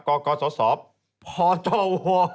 กกสสพจว